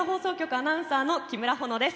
アナウンサーの木村穂乃です。